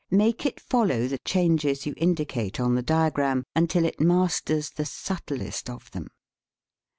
Make it follow the changes you indicate on the diagram, until it masters the subtlest of them.